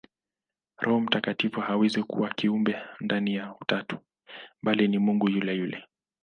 Roho Mtakatifu hawezi kuwa kiumbe ndani ya Utatu, bali ni Mungu yule yule.